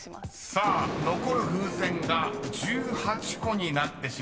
［さあ残る風船が１８個になってしまいました］